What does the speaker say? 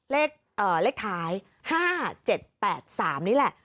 เลขท้าย๕๗๘๓นี่แหละ